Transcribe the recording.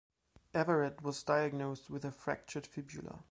Everett was diagnosed with a fractured fibula.